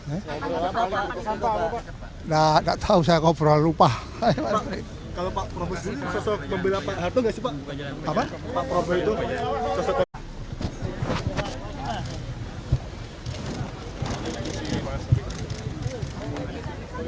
enggak tahu saya ngobrol lupa kalau pak profesor membeli apa itu